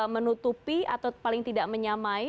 menutupi atau paling tidak menyamai